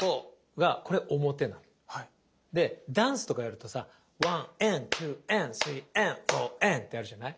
でダンスとかやるとさワンエントゥーエンスリーエンフォーエンってあるじゃない。